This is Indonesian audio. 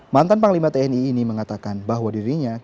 mantan panglima tni ini mengatakan bahwa dirinya